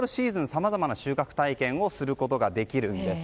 さまざまな収穫体験をすることができるんです。